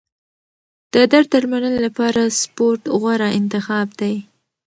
د درد درملنې لپاره سپورت غوره انتخاب دی.